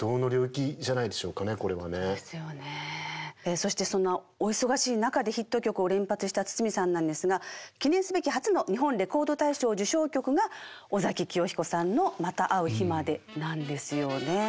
そしてそんなお忙しい中でヒット曲を連発した筒美さんなんですが記念すべき初の日本レコード大賞受賞曲が尾崎紀世彦さんの「またう日まで」なんですよね。